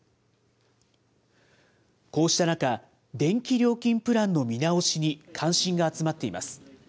こうした中、電気料金プランの見直しに関心が集まっています。